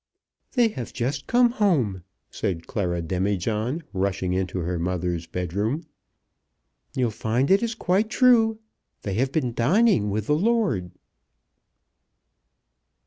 "They have just come home," said Clara Demijohn, rushing into her mother's bedroom. "You'll find it is quite true. They have been dining with the lord!"